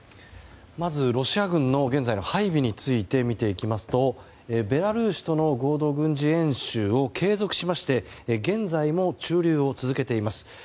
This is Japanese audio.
まずロシア軍の現在の配備について見ていきますとベラルーシとの合同軍事演習を継続しまして現在も駐留を続けています。